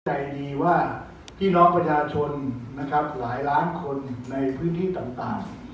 ผมรู้ใจดีว่าที่น้องประชาชนหลายล้านคนในพื้นที่ตามต่าง